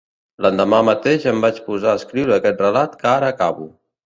L'endemà mateix em vaig posar a escriure aquest relat que ara acabo.